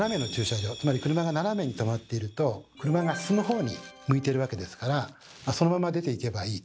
つまり車が斜めにとまっていると車が進む方に向いてるわけですからそのまま出ていけばいいと。